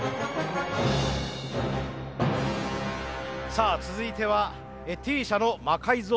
さあ続いてはＴ社の魔改造